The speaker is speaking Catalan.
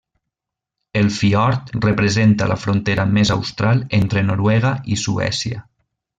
El fiord representa la frontera més austral entre Noruega i Suècia.